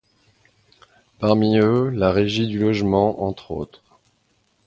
Parmi eux, la Régie du logement entre autres.